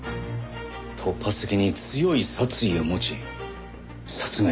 突発的に強い殺意を持ち殺害した。